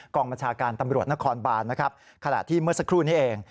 บัญชาการตำรวจนครบานนะครับขณะที่เมื่อสักครู่นี้เอง